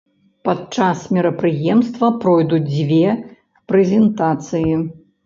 Падчас мерапрыемства пройдуць дзве прэзентацыі.